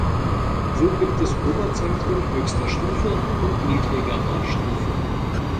So gibt es Oberzentren höchster Stufe und niedrigerer Stufe.